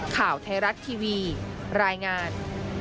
ข่าวไทยรัฐทีวีรายงาน